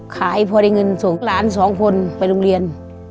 ขายพอได้เงินส่งหลานสองคนไปโรงเรียน